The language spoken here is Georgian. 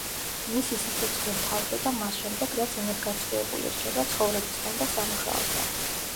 მისი სიცოცხლე მთავრდება მას შემდეგ, რაც იმედგაცრუებული რჩება ცხოვრებისგან და სამუშაოსგან.